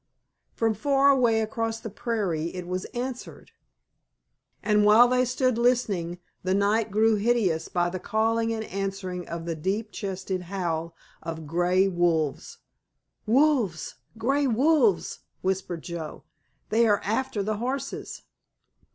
From far away across the prairie it was answered, and while they stood listening the night grew hideous by the calling and answering of the deep chested howl of grey wolves. "Wolves—grey wolves!" whispered Joe, "they are after the horses!"